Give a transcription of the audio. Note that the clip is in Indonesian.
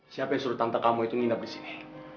siapa yang suruh tante kamu itu nginap disini